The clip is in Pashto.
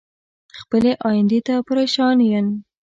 خپلې ايندی ته پریشان ين